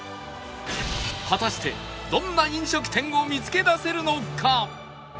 果たしてどんな飲食店を見つけ出せるのか？